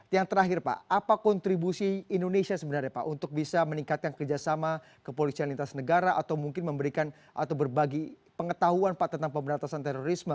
yang terakhir pak apa kontribusi indonesia sebenarnya pak untuk bisa meningkatkan kerjasama kepolisian lintas negara atau mungkin memberikan atau berbagi pengetahuan pak tentang pemberantasan terorisme